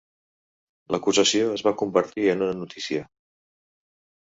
L'acusació es va convertir en una notícia.